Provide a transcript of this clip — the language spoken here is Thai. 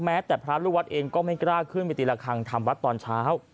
แม้แต่พระลูกวัดเองก็ไม่กล้าขึ้นไปตีละครั้งทำวัดตอนเช้า